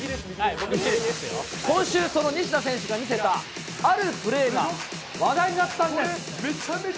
今週、その西田選手が見せた、あるプレーが話題になったんです。